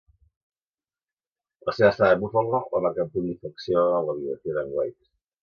La seva estada a Buffalo va marcar un punt d"inflexió a la biografia de"n White.